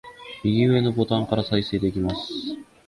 右上のボタンから再生できます